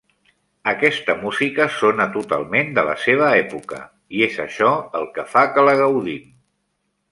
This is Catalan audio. Aquesta música sona totalment de la seva època i és això el que fa que la gaudim.